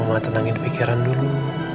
mama tenangin pikiran dulu